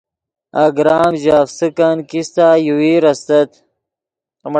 اگرام ژے افسکن کیستہ یوویر استت